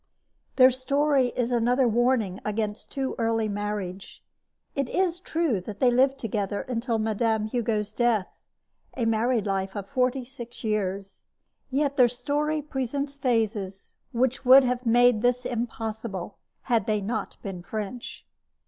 Their story is another warning against too early marriage. It is true that they lived together until Mme. Hugo's death a married life of forty six years yet their story presents phases which would have made this impossible had they not been French.